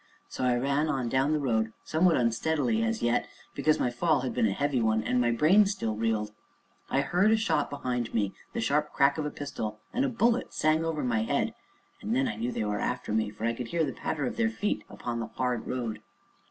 So I ran on down the road, somewhat unsteadily as yet, because my fall had been a heavy one, and my brain still reeled. I heard a shout behind me the sharp crack of a pistol, and a bullet sang over my head; and then I knew they were after me, for I could hear the patter of their feet upon the hard road.